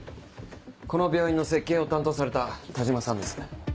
この病院の設計を担当された但馬さんです。